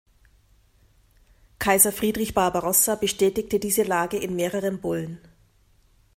Kaiser Friedrich Barbarossa bestätigte diese Lage in mehreren Bullen.